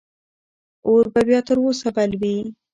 اور به تر اوسه بل وي.